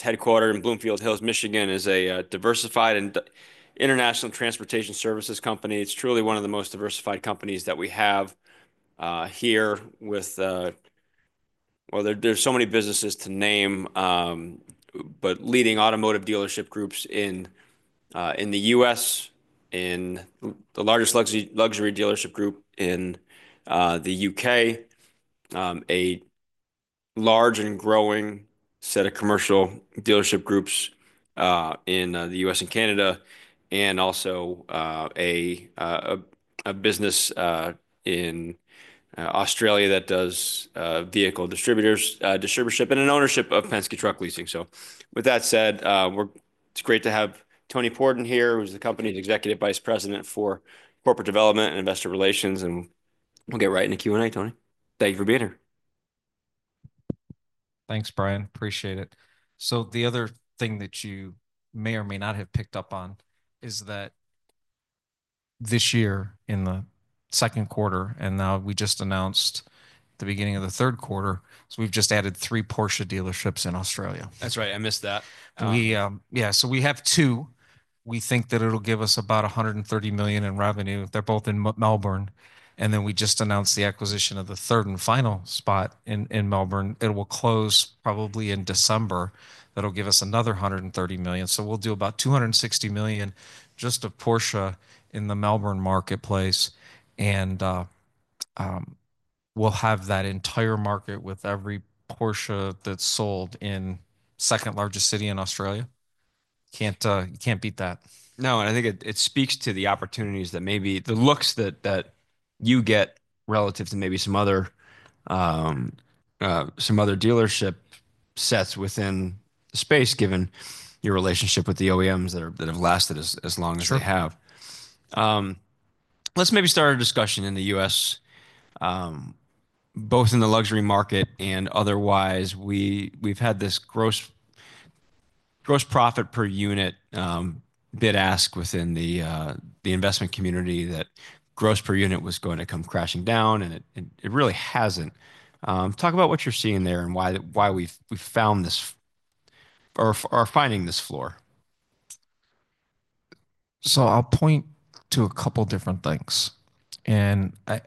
Just headquartered in Bloomfield Hills, Michigan, is a diversified and international transportation services company. It's truly one of the most diversified companies that we have here with well, there's so many businesses to name, but leading automotive dealership groups in the U.S., in the largest luxury dealership group in the U.K., a large and growing set of commercial dealership groups in the U.S. and Canada, and also a business in Australia that does vehicle distributorship and ownership of Penske Truck Leasing. So with that said, it's great to have Tony Pordon here, who's the company's Executive Vice President for corporate development and investor relations. And we'll get right into Q&A, Tony. Thank you for being here. Thanks, Brian. Appreciate it. So the other thing that you may or may not have picked up on is that this year, in the second quarter, and now we just announced the beginning of the third quarter, so we've just added three Porsche dealerships in Australia. That's right. I missed that. Yeah. So we have two. We think that it'll give us about $130 million in revenue if they're both in Melbourne. And then we just announced the acquisition of the third and final spot in Melbourne. It will close probably in December. That'll give us another $130 million. So we'll do about $260 million just of Porsche in the Melbourne marketplace. And we'll have that entire market with every Porsche that's sold in the second largest city in Australia. Can't beat that. No. And I think it speaks to the opportunities that maybe the looks that you get relative to maybe some other dealership sets within the space, given your relationship with the OEMs that have lasted as long as they have. Sure. Let's maybe start our discussion in the U.S., both in the luxury market and otherwise. We've had this gross profit per unit bid-ask within the investment community that gross per unit was going to come crashing down, and it really hasn't. Talk about what you're seeing there and why we've found this or are finding this floor. So I'll point to a couple of different things. And I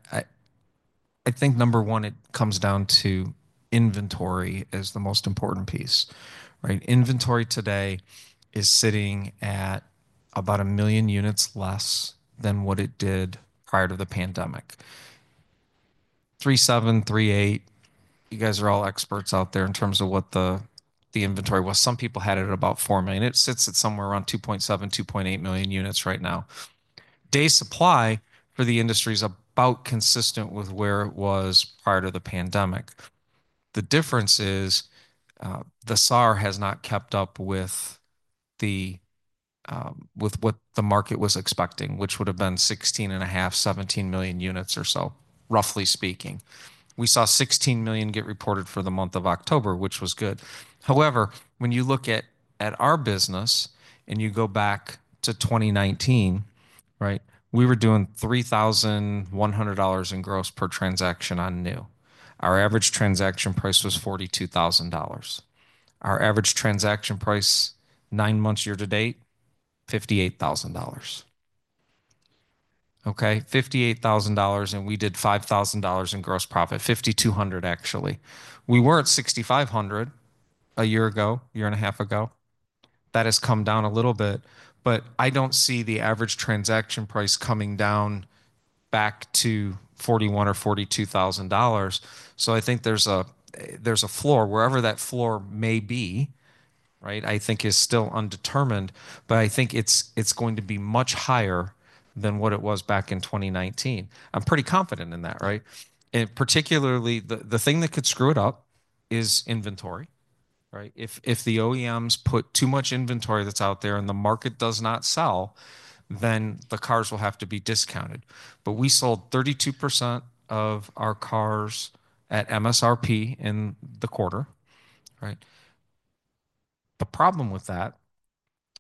think, number one, it comes down to inventory as the most important piece. Inventory today is sitting at about a million units less than what it did prior to the pandemic. 3.7, 3.8, you guys are all experts out there in terms of what the inventory was. Some people had it at about 4 million. It sits at somewhere around 2.7, 2.8 million units right now. Day supply for the industry is about consistent with where it was prior to the pandemic. The difference is the SAAR has not kept up with what the market was expecting, which would have been 16 and a half, 17 million units or so, roughly speaking. We saw 16 million get reported for the month of October, which was good. However, when you look at our business and you go back to 2019, we were doing $3,100 in gross per transaction on new. Our average transaction price was $42,000. Our average transaction price, nine months year to date, $58,000. Okay? $58,000, and we did $5,000 in gross profit. $5,200, actually. We were at $6,500 a year ago, year and a half ago. That has come down a little bit. But I don't see the average transaction price coming down back to $41,000 or $42,000. So I think there's a floor. Wherever that floor may be, I think, is still undetermined. But I think it's going to be much higher than what it was back in 2019. I'm pretty confident in that, right? And particularly, the thing that could screw it up is inventory. If the OEMs put too much inventory that's out there and the market does not sell, then the cars will have to be discounted. But we sold 32% of our cars at MSRP in the quarter. The problem with that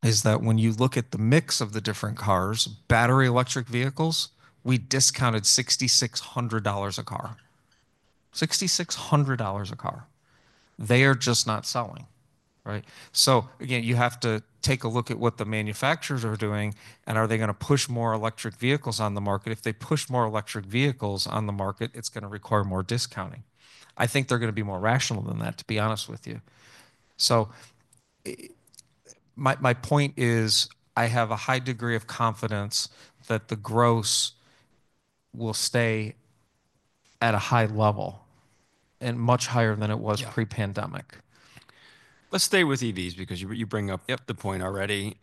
is that when you look at the mix of the different cars, battery electric vehicles, we discounted $6,600 a car. $6,600 a car. They are just not selling. So again, you have to take a look at what the manufacturers are doing, and are they going to push more electric vehicles on the market? If they push more electric vehicles on the market, it's going to require more discounting. I think they're going to be more rational than that, to be honest with you. So my point is I have a high degree of confidence that the gross will stay at a high level and much higher than it was pre-pandemic. Let's stay with EVs because you bring up the point already.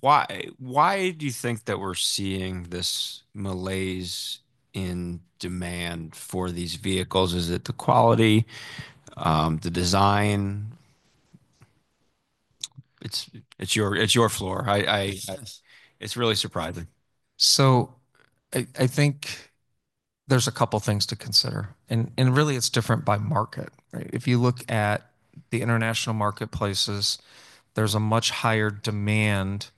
Why do you think that we're seeing this malaise in demand for these vehicles? Is it the quality, the design? It's your floor. It's really surprising. So I think there's a couple of things to consider. And really, it's different by market. If you look at the international marketplaces, there's a much higher demand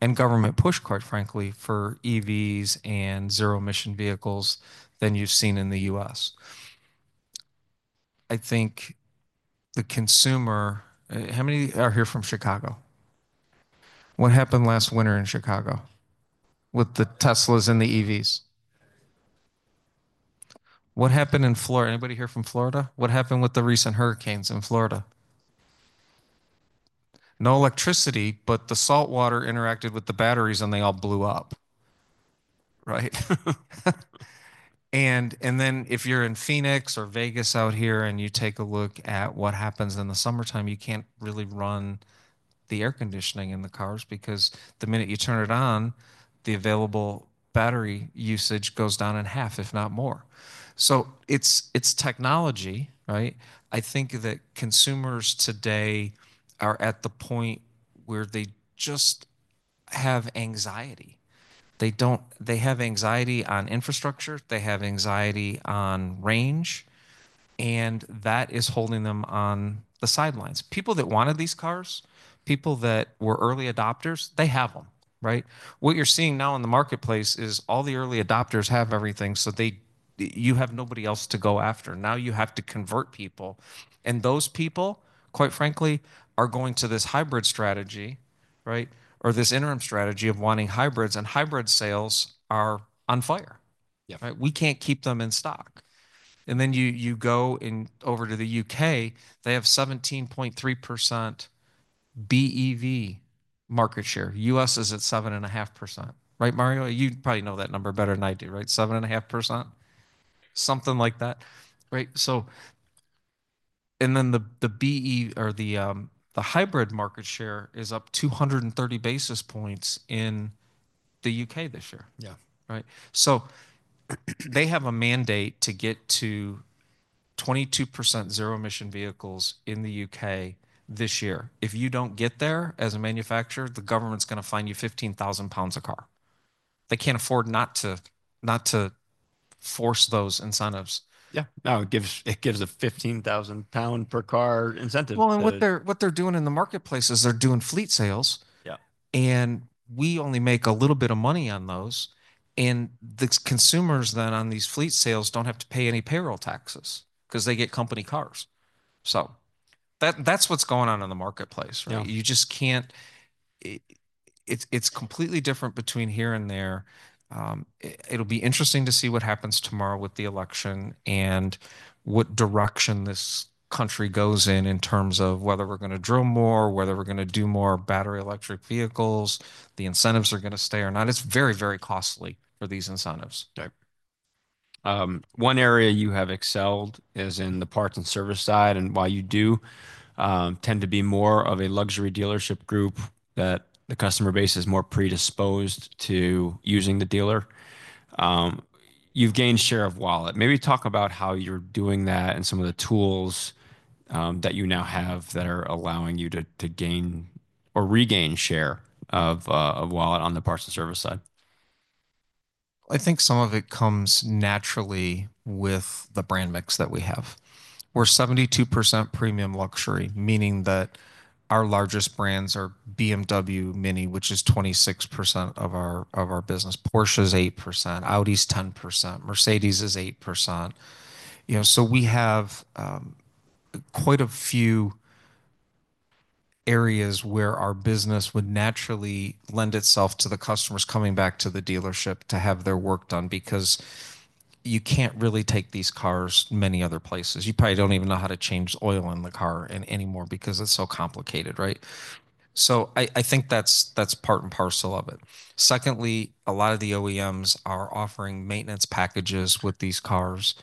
and government push, quite frankly, for EVs and zero-emission vehicles than you've seen in the U.S. I think the consumer. How many are here from Chicago? What happened last winter in Chicago with the Teslas and the EVs? What happened in Florida? Anybody here from Florida? What happened with the recent hurricanes in Florida? No electricity, but the salt water interacted with the batteries, and they all blew up. And then if you're in Phoenix or Vegas out here and you take a look at what happens in the summertime, you can't really run the air conditioning in the cars because the minute you turn it on, the available battery usage goes down in half, if not more. So it's technology. I think that consumers today are at the point where they just have anxiety. They have anxiety on infrastructure. They have anxiety on range. And that is holding them on the sidelines. People that wanted these cars, people that were early adopters, they have them. What you're seeing now in the marketplace is all the early adopters have everything, so you have nobody else to go after. Now you have to convert people. And those people, quite frankly, are going to this hybrid strategy or this interim strategy of wanting hybrids. And hybrid sales are on fire. We can't keep them in stock. And then you go over to the U.K. They have 17.3% BEV market share. U.S. is at 7.5%. Mario, you probably know that number better than I do, right? 7.5%? Something like that. And then the BEV or the hybrid market share is up 230 basis points in the U.K. this year. So they have a mandate to get to 22% zero-emission vehicles in the U.K. this year. If you don't get there as a manufacturer, the government's going to fine you 15,000 pounds a car. They can't afford not to force those incentives. Yeah. No, it gives a 15,000 GBP-per-car incentive. Well, and what they're doing in the marketplace is they're doing fleet sales. And we only make a little bit of money on those. And the consumers then on these fleet sales don't have to pay any payroll taxes because they get company cars. So that's what's going on in the marketplace. You just can't. It's completely different between here and there. It'll be interesting to see what happens tomorrow with the election and what direction this country goes in in terms of whether we're going to drill more, whether we're going to do more battery electric vehicles, the incentives are going to stay or not. It's very, very costly for these incentives. One area you have excelled is in the parts and service side. And while you do tend to be more of a luxury dealership group that the customer base is more predisposed to using the dealer, you've gained share of wallet. Maybe talk about how you're doing that and some of the tools that you now have that are allowing you to gain or regain share of wallet on the parts and service side. I think some of it comes naturally with the brand mix that we have. We're 72% premium luxury, meaning that our largest brands are BMW MINI, which is 26% of our business. Porsche is 8%. Audi is 10%. Mercedes is 8%. So we have quite a few areas where our business would naturally lend itself to the customers coming back to the dealership to have their work done because you can't really take these cars many other places. You probably don't even know how to change oil in the car anymore because it's so complicated. So I think that's part and parcel of it. Secondly, a lot of the OEMs are offering maintenance packages with these cars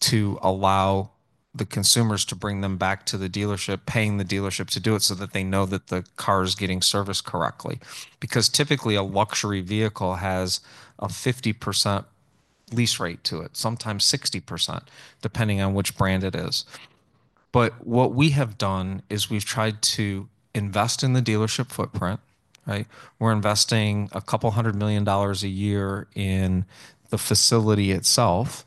to allow the consumers to bring them back to the dealership, paying the dealership to do it so that they know that the car is getting serviced correctly. Because typically, a luxury vehicle has a 50% lease rate to it, sometimes 60%, depending on which brand it is. But what we have done is we've tried to invest in the dealership footprint. We're investing $200 million a year in the facility itself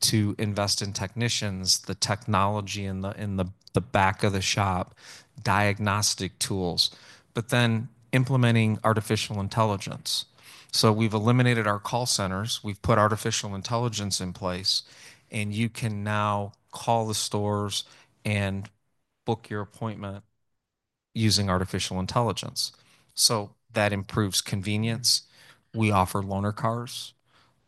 to invest in technicians, the technology in the back of the shop, diagnostic tools, but then implementing artificial intelligence. So we've eliminated our call centers. We've put artificial intelligence in place. And you can now call the stores and book your appointment using artificial intelligence. So that improves convenience. We offer loaner cars.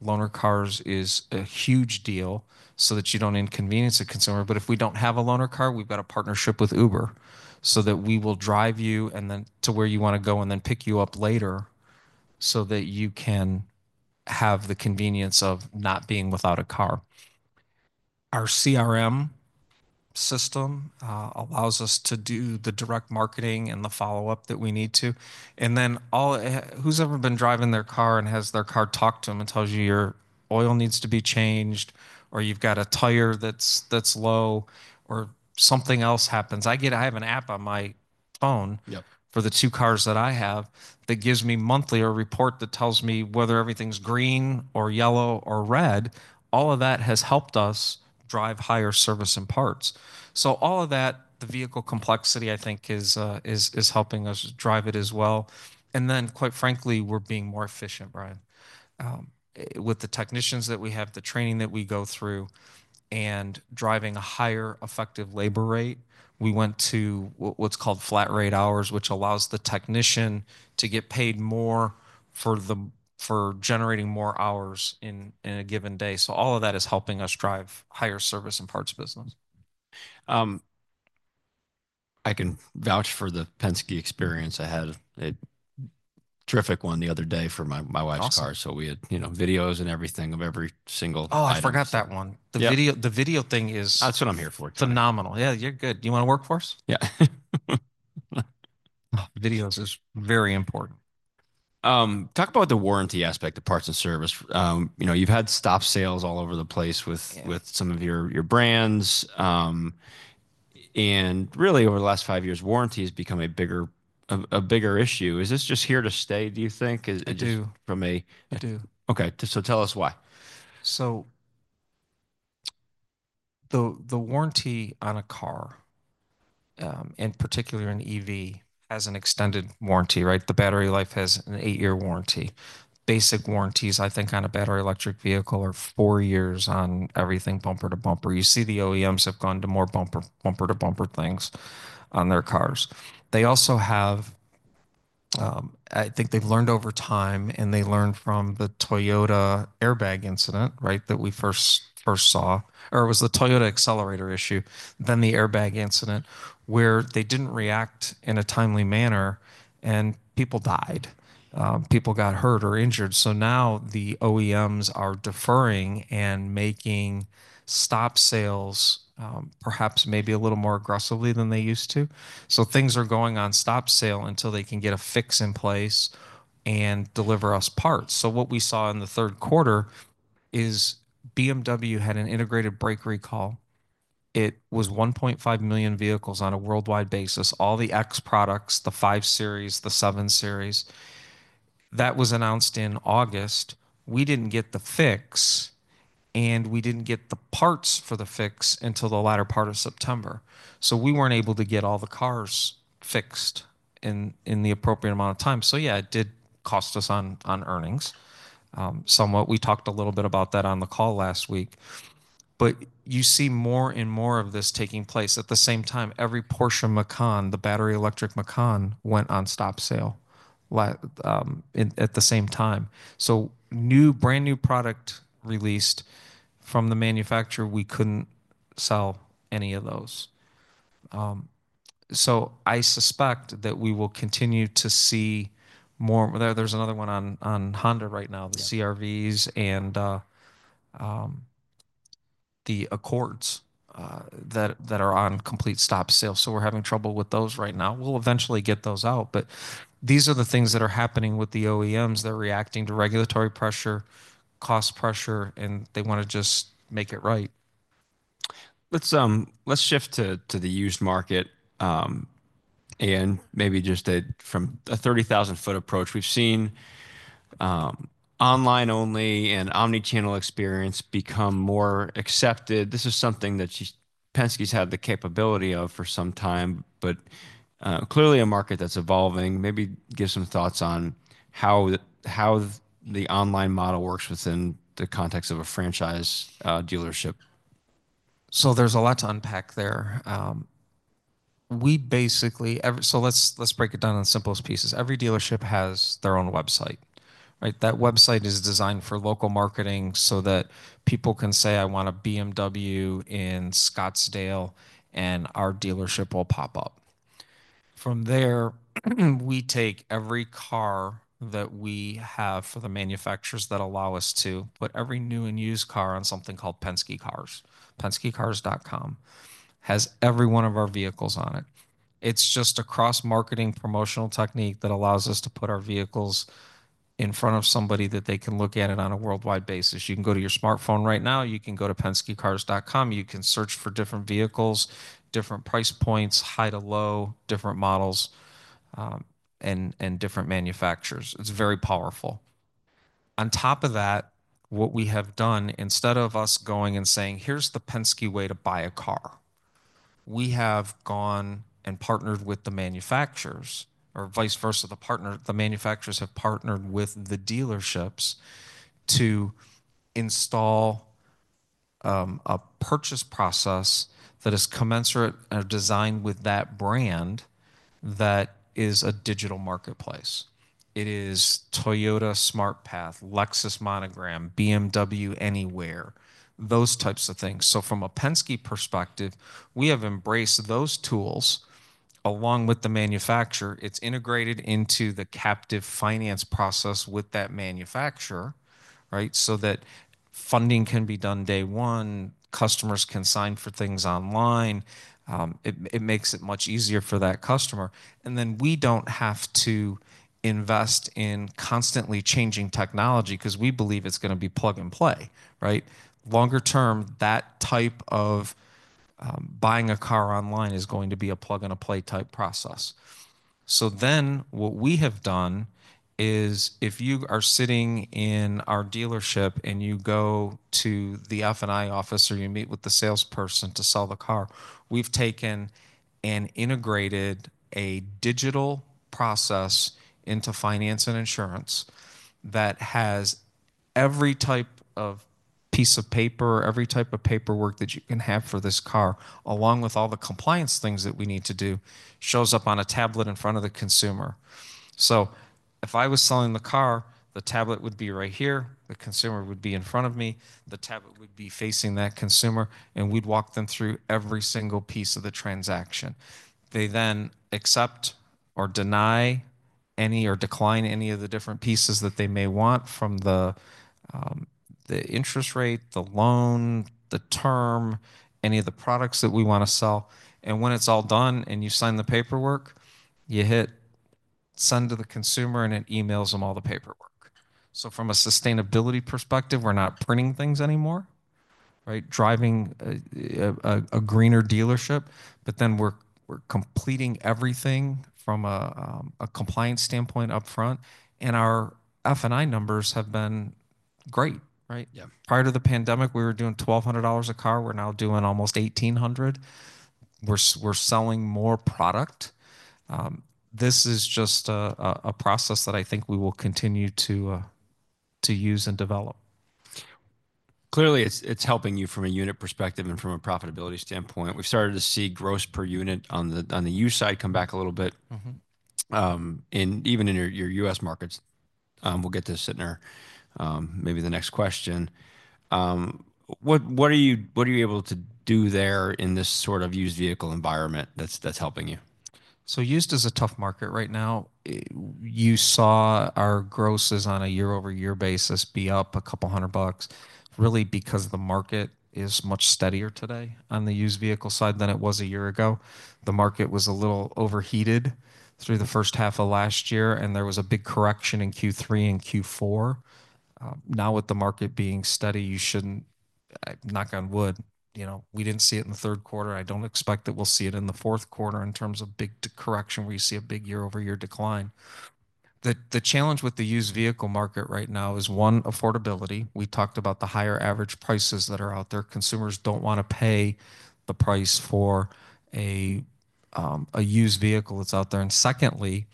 Loaner cars is a huge deal so that you don't inconvenience a consumer. But if we don't have a loaner car, we've got a partnership with Uber so that we will drive you to where you want to go and then pick you up later so that you can have the convenience of not being without a car. Our CRM system allows us to do the direct marketing and the follow-up that we need to. And then who's ever been driving their car and has their car talk to them and tells you your oil needs to be changed or you've got a tire that's low or something else happens? I have an app on my phone for the two cars that I have that gives me monthly a report that tells me whether everything's green or yellow or red. All of that has helped us drive higher service and parts. So all of that, the vehicle complexity, I think, is helping us drive it as well. And then, quite frankly, we're being more efficient, Brian, with the technicians that we have, the training that we go through, and driving a higher effective labor rate. We went to what's called flat rate hours, which allows the technician to get paid more for generating more hours in a given day. So all of that is helping us drive higher service and parts business. I can vouch for the Penske experience I had. A terrific one the other day for my wife's car. So we had videos and everything of every single item. Oh, I forgot that one. The video thing is. That's what I'm here for. Phenomenal. Yeah, you're good. You want to work for us? Yeah. Videos is very important. Talk about the warranty aspect of parts and service. You've had stop sales all over the place with some of your brands. And really, over the last five years, warranty has become a bigger issue. Is this just here to stay, do you think? I do. Okay. So tell us why. So the warranty on a car, and particularly an EV, has an extended warranty. The battery life has an eight-year warranty. Basic warranties, I think, on a battery electric vehicle are four years on everything bumper to bumper. You see the OEMs have gone to more bumper to bumper things on their cars. They also have, I think they've learned over time, and they learned from the Toyota airbag incident that we first saw, or it was the Toyota accelerator issue, then the airbag incident, where they didn't react in a timely manner, and people died. People got hurt or injured. So now the OEMs are deferring and making stop sales, perhaps maybe a little more aggressively than they used to. So things are going on stop sale until they can get a fix in place and deliver us parts. So what we saw in the third quarter is BMW had an integrated brake recall. It was 1.5 million vehicles on a worldwide basis, all the X products, the 5 Series, the 7 Series. That was announced in August. We didn't get the fix, and we didn't get the parts for the fix until the latter part of September. So we weren't able to get all the cars fixed in the appropriate amount of time. So yeah, it did cost us on earnings. Somewhat, we talked a little bit about that on the call last week. But you see more and more of this taking place. At the same time, every Porsche Macan, the battery electric Macan, went on stop sale at the same time. So brand new product released from the manufacturer, we couldn't sell any of those. So I suspect that we will continue to see more. There's another one on Honda right now, the CR-Vs and the Accords that are on complete stop sale. So we're having trouble with those right now. We'll eventually get those out. But these are the things that are happening with the OEMs. They're reacting to regulatory pressure, cost pressure, and they want to just make it right. Let's shift to the used market and maybe just from a 30,000-foot approach. We've seen online-only and omnichannel experience become more accepted. This is something that Penske's had the capability of for some time, but clearly a market that's evolving. Maybe give some thoughts on how the online model works within the context of a franchise dealership. So there's a lot to unpack there. So let's break it down in the simplest pieces. Every dealership has their own website. That website is designed for local marketing so that people can say, "I want a BMW in Scottsdale," and our dealership will pop up. From there, we take every car that we have for the manufacturers that allow us to put every new and used car on something called PenskeCars.com. PenskeCars.com has every one of our vehicles on it. It's just a cross-marketing promotional technique that allows us to put our vehicles in front of somebody that they can look at it on a worldwide basis. You can go to your smartphone right now. You can go to PenskeCars.com. You can search for different vehicles, different price points, high to low, different models, and different manufacturers. It's very powerful. On top of that, what we have done, instead of us going and saying, "Here's the Penske way to buy a car," we have gone and partnered with the manufacturers, or vice versa, the manufacturers have partnered with the dealerships to install a purchase process that is commensurate or designed with that brand that is a digital marketplace. It is Toyota SmartPath, Lexus Monogram, BMW Anywhere, those types of things. So from a Penske perspective, we have embraced those tools along with the manufacturer. It's integrated into the captive finance process with that manufacturer so that funding can be done day one. Customers can sign for things online. It makes it much easier for that customer. And then we don't have to invest in constantly changing technology because we believe it's going to be plug and play. Longer term, that type of buying a car online is going to be a plug-and-play type process. So then what we have done is if you are sitting in our dealership and you go to the F&I office or you meet with the salesperson to sell the car, we've taken and integrated a digital process into finance and insurance that has every type of piece of paper, every type of paperwork that you can have for this car, along with all the compliance things that we need to do, shows up on a tablet in front of the consumer. So if I was selling the car, the tablet would be right here. The consumer would be in front of me. The tablet would be facing that consumer, and we'd walk them through every single piece of the transaction. They then accept or deny any or decline any of the different pieces that they may want from the interest rate, the loan, the term, any of the products that we want to sell. And when it's all done and you sign the paperwork, you hit send to the consumer and it emails them all the paperwork. So from a sustainability perspective, we're not printing things anymore, driving a greener dealership, but then we're completing everything from a compliance standpoint upfront. And our F&I numbers have been great. Prior to the pandemic, we were doing $1,200 a car. We're now doing almost $1,800. We're selling more product. This is just a process that I think we will continue to use and develop. Clearly, it's helping you from a unit perspective and from a profitability standpoint. We've started to see gross per unit on the used side come back a little bit and even in your U.S. markets, we'll get to sit in there maybe the next question. What are you able to do there in this sort of used vehicle environment that's helping you? Used is a tough market right now. You saw our grosses on a year-over-year basis be up $200, really because the market is much steadier today on the used vehicle side than it was a year ago. The market was a little overheated through the first half of last year, and there was a big correction in Q3 and Q4. Now, with the market being steady, you shouldn't knock on wood. We didn't see it in the third quarter. I don't expect that we'll see it in the fourth quarter in terms of big correction where you see a big year-over-year decline. The challenge with the used vehicle market right now is, one, affordability. We talked about the higher average prices that are out there. Consumers don't want to pay the price for a used vehicle that's out there. And secondly,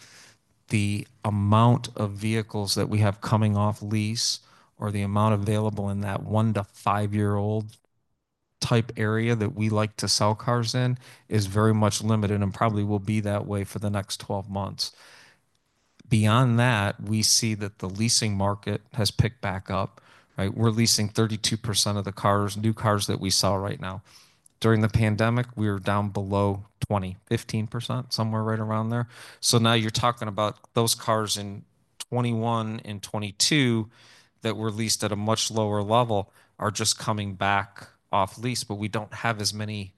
the amount of vehicles that we have coming off lease or the amount available in that one to five-year-old type area that we like to sell cars in is very much limited and probably will be that way for the next 12 months. Beyond that, we see that the leasing market has picked back up. We're leasing 32% of the new cars that we sell right now. During the pandemic, we were down below 20%, 15%, somewhere right around there. So now you're talking about those cars in 2021 and 2022 that were leased at a much lower level are just coming back off lease, but we don't have as many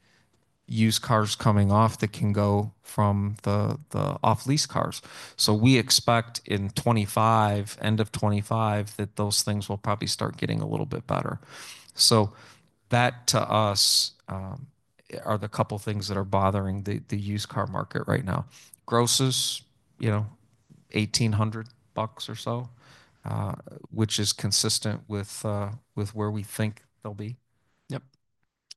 used cars coming off that can go from the off-lease cars. So we expect in 2025, end of 2025, that those things will probably start getting a little bit better. So that, to us, are the couple of things that are bothering the used car market right now. Gross is $1,800 or so, which is consistent with where we think they'll be.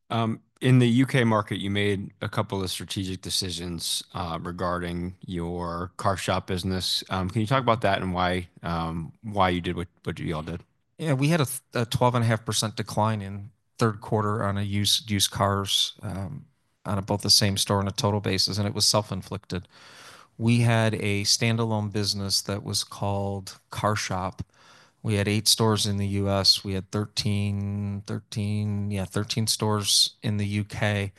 Yep. In the UK market, you made a couple of strategic decisions regarding your CarShop business. Can you talk about that and why you did what you all did? Yeah. We had a 12.5% decline in third quarter on used cars on both the same store and a total basis, and it was self-inflicted. We had a standalone business that was called CarShop. We had eight stores in the U.S. We had 13 stores in the U.K.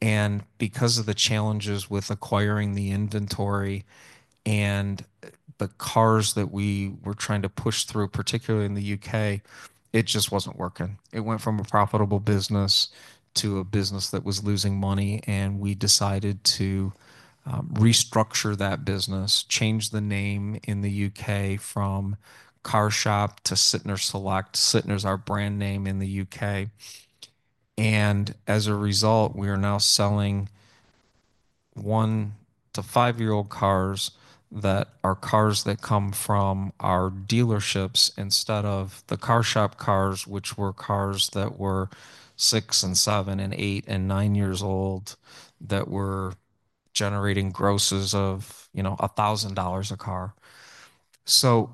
And because of the challenges with acquiring the inventory and the cars that we were trying to push through, particularly in the U.K., it just wasn't working. It went from a profitable business to a business that was losing money. And we decided to restructure that business, change the name in the U.K. from CarShop to Sytner Select. Sytner is our brand name in the U.K. And as a result, we are now selling one- to five-year-old cars that are cars that come from our dealerships instead of the CarShop cars, which were cars that were six and seven and eight and nine years old that were generating grosses of $1,000 a car. So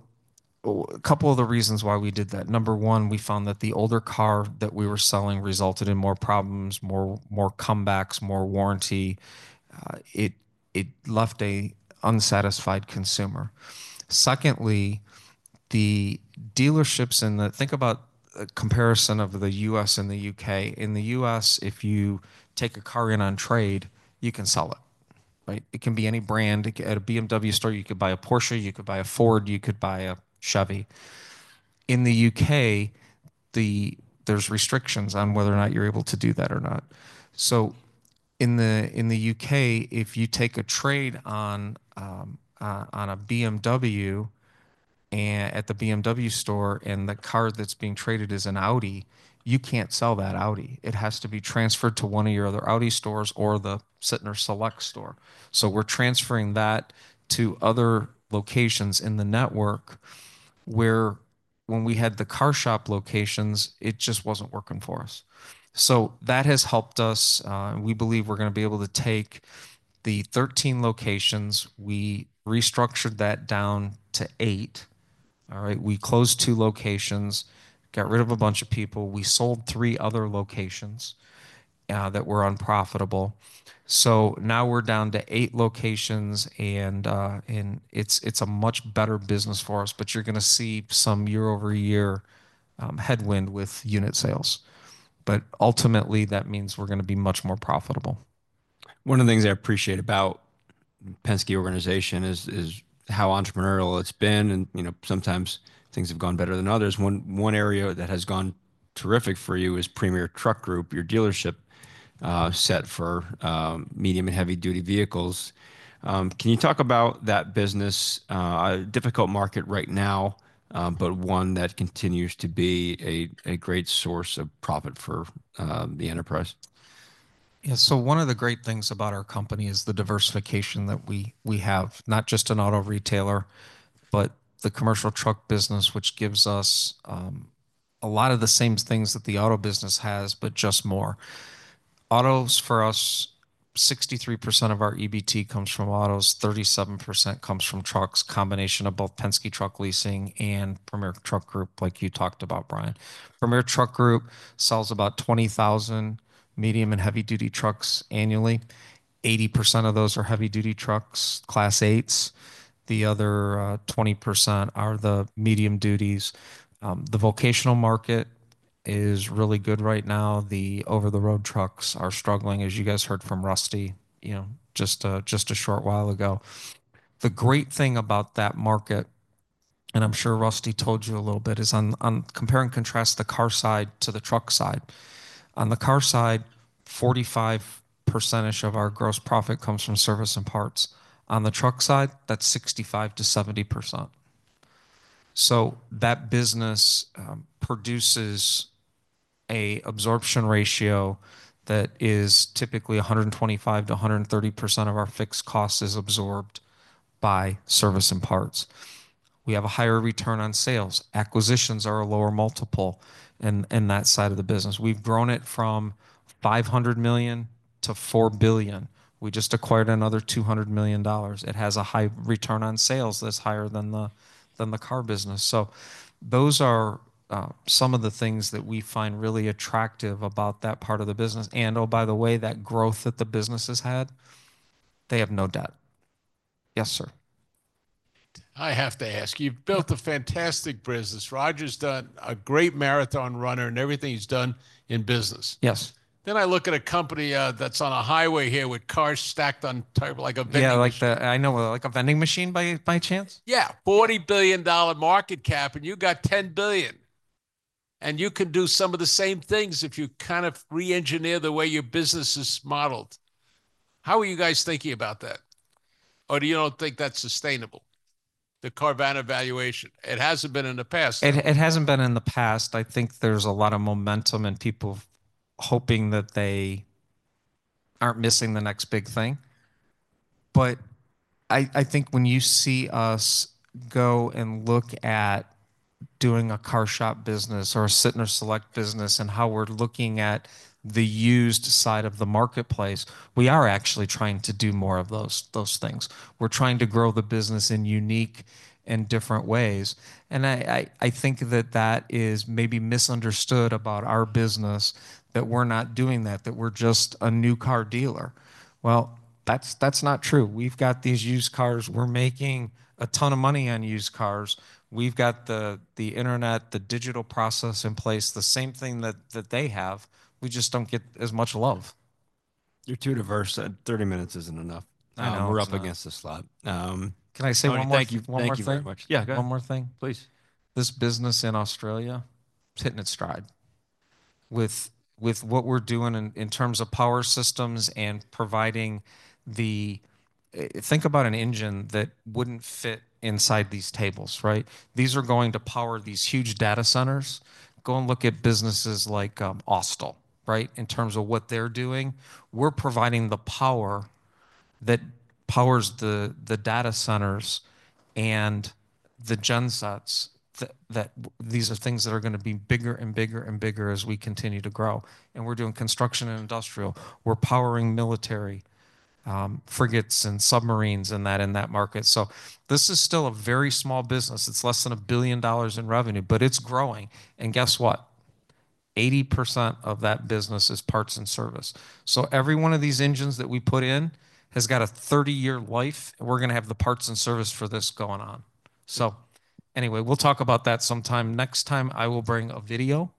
a couple of the reasons why we did that. Number one, we found that the older car that we were selling resulted in more problems, more comebacks, more warranty. It left an unsatisfied consumer. Secondly, the dealerships in the U.K. Think about a comparison of the U.S. and the U.K. In the U.S., if you take a car in on trade, you can sell it. It can be any brand. At a BMW store, you could buy a Porsche. You could buy a Ford. You could buy a Chevy. In the UK, there's restrictions on whether or not you're able to do that or not. So in the UK, if you take a trade on a BMW at the BMW store and the car that's being traded is an Audi, you can't sell that Audi. It has to be transferred to one of your other Audi stores or the Sytner Select store. So we're transferring that to other locations in the network where when we had the CarShop locations, it just wasn't working for us. So that has helped us. We believe we're going to be able to take the 13 locations. We restructured that down to eight. We closed two locations, got rid of a bunch of people. We sold three other locations that were unprofitable. So now we're down to eight locations, and it's a much better business for us, but you're going to see some year-over-year headwind with unit sales. But ultimately, that means we're going to be much more profitable. One of the things I appreciate about Penske Organization is how entrepreneurial it's been. And sometimes things have gone better than others. One area that has gone terrific for you is Premier Truck Group, your dealership set for medium and heavy-duty vehicles. Can you talk about that business? A difficult market right now, but one that continues to be a great source of profit for the enterprise. Yeah, so one of the great things about our company is the diversification that we have, not just an auto retailer, but the commercial truck business, which gives us a lot of the same things that the auto business has, but just more. Autos for us, 63% of our EBT comes from autos. 37% comes from trucks, a combination of both Penske Truck Leasing and Premier Truck Group, like you talked about, Brian. Premier Truck Group sells about 20,000 medium and heavy-duty trucks annually. 80% of those are heavy-duty trucks, Class 8s. The other 20% are the medium duties. The vocational market is really good right now. The over-the-road trucks are struggling, as you guys heard from Rusty just a short while ago. The great thing about that market, and I'm sure Rusty told you a little bit, is on compare and contrast the car side to the truck side. On the car side, 45%-ish of our gross profit comes from service and parts. On the truck side, that's 65%-70%. So that business produces an absorption ratio that is typically 125%-130% of our fixed costs is absorbed by service and parts. We have a higher return on sales. Acquisitions are a lower multiple in that side of the business. We've grown it from $500 million-$4 billion. We just acquired another $200 million. It has a high return on sales that's higher than the car business. So those are some of the things that we find really attractive about that part of the business. And oh, by the way, that growth that the business has had, they have no debt. Yes, sir. I have to ask. You've built a fantastic business. Roger's done a great marathon runner and everything he's done in business. Yes. Then I look at a company that's on a highway here with cars stacked on like a vending machine. Yeah, like a vending machine, by chance. Yeah, $40 billion market cap, and you got $10 billion. And you can do some of the same things if you kind of re-engineer the way your business is modeled. How are you guys thinking about that? Or do you don't think that's sustainable, the Carvana valuation? It hasn't been in the past. It hasn't been in the past. I think there's a lot of momentum and people hoping that they aren't missing the next big thing. But I think when you see us go and look at doing a CarShop business or a Sytner Select business and how we're looking at the used side of the marketplace, we are actually trying to do more of those things. We're trying to grow the business in unique and different ways. And I think that that is maybe misunderstood about our business, that we're not doing that, that we're just a new car dealer. Well, that's not true. We've got these used cars. We're making a ton of money on used cars. We've got the internet, the digital process in place, the same thing that they have. We just don't get as much love. You're too diverse. 30 minutes isn't enough. I know. We're up against the slot. Can I say one more thing? Thank you very much. Yeah, go ahead. One more thing, please. This business in Australia is hitting its stride with what we're doing in terms of power systems and providing. Think about an engine that wouldn't fit inside these tables, right? These are going to power these huge data centers. Go and look at businesses like Austal, right, in terms of what they're doing. We're providing the power that powers the data centers and the gensets. These are things that are going to be bigger and bigger and bigger as we continue to grow. And we're doing construction and industrial. We're powering military frigates and submarines in that market. So this is still a very small business. It's less than $1 billion in revenue, but it's growing. And guess what? 80% of that business is parts and service. So every one of these engines that we put in has got a 30-year life. We're going to have the parts and service for this going on. So anyway, we'll talk about that sometime. Next time, I will bring a video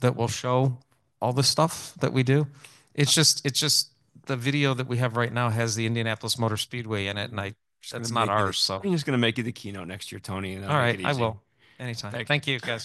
that will show all the stuff that we do. It's just the video that we have right now has the Indianapolis Motor Speedway in it, and it's not ours, so. We're just going to make you the keynote next year, Tony. All right. I will. Anytime. Thank you.